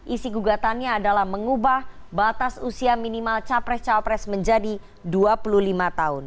isi gugatannya adalah mengubah batas usia minimal capres cawapres menjadi dua puluh lima tahun